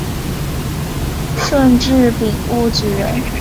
顺治丙戌举人。